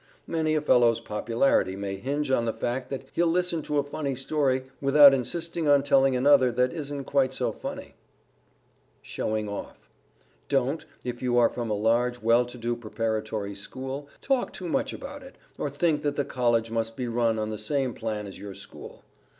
Many a fellow's popularity may hinge on the fact that he'll listen to a funny story without insisting on telling another that isn't quite so funny. [Sidenote: SHOWING OFF] Don't, if you are from a large well to do Preparatory School, talk too much about it, or think that the College must be run on the same plan as your school.